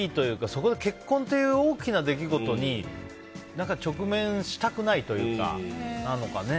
そこで結婚という大きな出来事に直面したくないというかね。